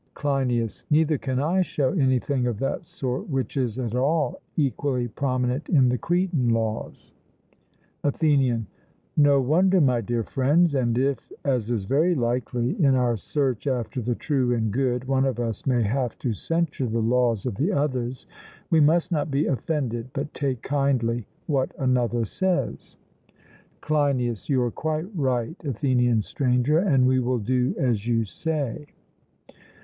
CLEINIAS: Neither can I show anything of that sort which is at all equally prominent in the Cretan laws. ATHENIAN: No wonder, my dear friends; and if, as is very likely, in our search after the true and good, one of us may have to censure the laws of the others, we must not be offended, but take kindly what another says. CLEINIAS: You are quite right, Athenian Stranger, and we will do as you say.